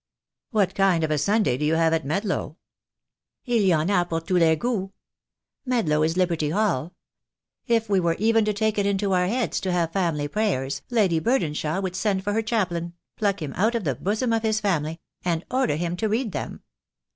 "What kind of a Sunday do you have at Medlow?" "11 v en a pour tons les gouts. Medlow is liberty hall. If we were even to take it into our heads to have family prayers Lady Burdenshaw would send for her 312 THE DAY WILL COME. chaplain — pluck him out of the bosom of his family — and order him to read them.